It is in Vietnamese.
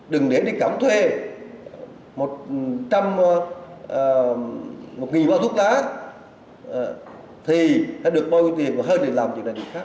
đừng để đi cẩm thuê một trăm linh nghìn đồng thuốc lá thì sẽ được bôi tiền và hơn để làm việc này